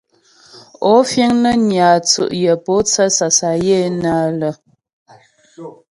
Ó fíŋ nə́ nyà tsʉ́' yə mpótsə́ sasayə́ hə́ ?